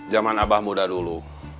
zaman abah muda dulu